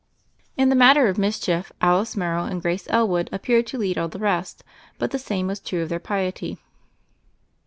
In the matter of mischief Alice Morrow and Grace Elwood appeared to lead all the rest; but the same was true of their piety.